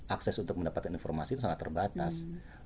akses untuk mendapatkan informasi itu sangat terbatas